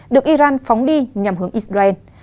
được iran phóng đi nhằm hướng israel